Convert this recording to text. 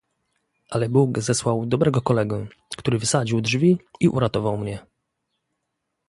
"Ale Bóg zesłał dobrego kolegę, który wysadził drzwi i uratował mnie."